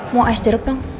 mau ais jeruk dong